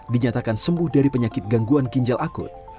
dinyatakan sembuh dari penyakit gangguan ginjal akut